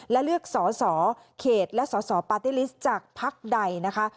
และเลือกสอสอเขตและสสปาร์ตี้ลิสต์จากพักใดนะคะ